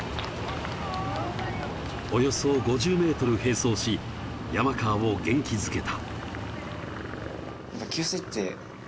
およそ５０ｍ並走し山川を元気づけた。